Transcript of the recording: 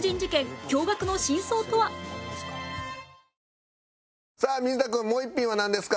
Ｎｏ．１さあ水田君もう一品はなんですか？